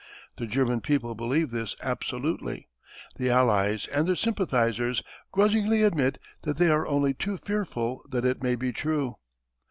The German people believe this absolutely. The Allies and their sympathizers grudgingly admit that they are only too fearful that it may be true.